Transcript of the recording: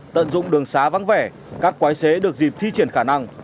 tận dụng đường xá vắng vẻ các quái xế được dịp thi triển khả năng